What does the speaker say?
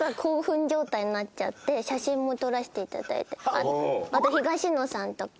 あと東野さんとか。